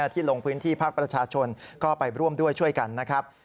ที่ลงพื้นที่ภาคประชาชนก็ไปร่วมด้วยช่วยกันนะครับ